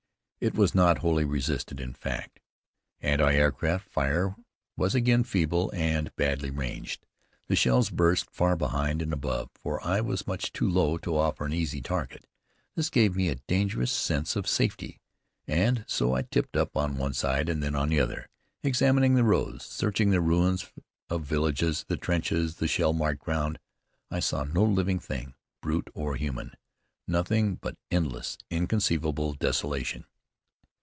It was not wholly resisted, in fact. Anti aircraft fire was again feeble and badly ranged. The shells burst far behind and above, for I was much too low to offer an easy target. This gave me a dangerous sense of safety, and so I tipped up on one side, then on the other, examining the roads, searching the ruins of villages, the trenches, the shell marked ground. I saw no living thing; brute or human; nothing but endless, inconceivable desolation.